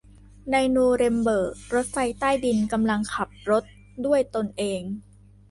ในนูเรมเบิร์กรถไฟใต้ดินกำลังขับรถด้วยตนเอง